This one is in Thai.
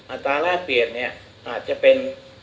อัตราแรกเปลี่ยนเนี่ยอาจจะเป็น